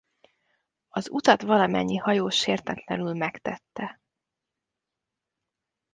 Az utat valamennyi hajó sértetlenül megtette.